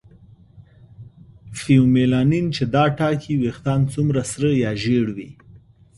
فیومیلانین چې دا ټاکي ویښتان څومره سره یا ژېړ وي.